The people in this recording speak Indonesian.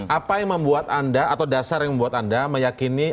apa yang membuat anda atau dasar yang membuat anda meyakini